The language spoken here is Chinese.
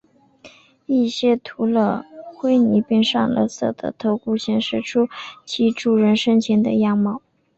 一些涂了灰泥并上了色的头骨显示出了其主人生前的样貌。